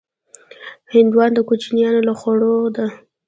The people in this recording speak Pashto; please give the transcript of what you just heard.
هندوانه د کوچیانو له خوړو ده.